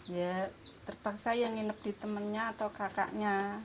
ya terpaksa yang nginep di temennya atau kakaknya